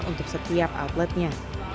untuk setiap outletnya